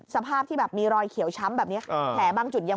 สภาพที่แบบมีรอยเขียวช้ำแบบนี้แผลบางจุดยัง